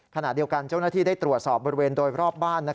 ขณะเดียวกันเจ้าหน้าที่ได้ตรวจสอบบริเวณโดยรอบบ้าน